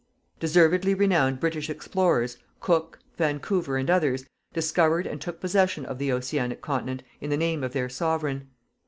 Deservedly renowned British explorers Cook, Vancouver, and others discovered and took possession of the Oceanic continent in the name of their Sovereign.